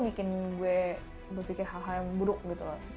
bikin gue berpikir hal hal yang buruk gitu loh